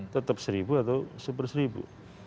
tetap seribu atau seberseribu